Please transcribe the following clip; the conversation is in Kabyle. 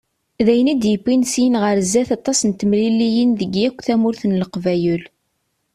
D ayen i d-yewwin syin ɣer sdat aṭas n temliliyin deg yakk tamurt n Leqbayel.